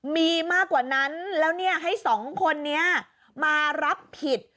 มีมากกว่านั้นแล้วให้สองคนนี้มารับผิด